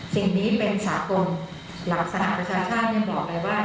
สิ่งนี้เป็นสากลหลักสหประชาชาติยังบอกไปว่า